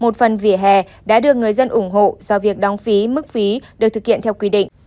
một phần vỉa hè đã được người dân ủng hộ do việc đóng phí mức phí được thực hiện theo quy định